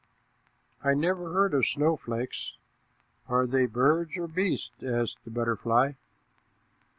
"'I never heard of snowflakes. Are they birds or beasts?' asked the butterfly.